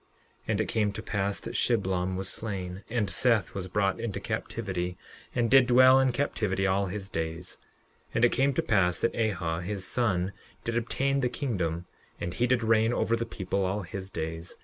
11:9 And it came to pass that Shiblom was slain, and Seth was brought into captivity, and did dwell in captivity all his days. 11:10 And it came to pass that Ahah, his son, did obtain the kingdom; and he did reign over the people all his days.